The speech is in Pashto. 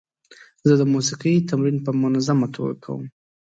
زه د موسیقۍ تمرین په منظمه توګه کوم.